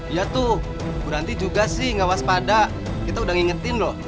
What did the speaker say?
iya tuh bu ranti juga sih nggak waspada kita udah ngingetin loh